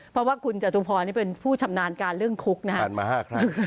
เพราะว่าคุณจตุพรเป็นผู้ชำนาญการเรื่องคุกนะคะ